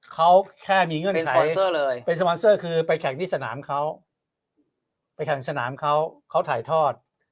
เขาแค่มีเงื่อนไขปอนเซอร์เลยเป็นสปอนเซอร์คือไปแข่งที่สนามเขาไปแข่งสนามเขาเขาถ่ายทอด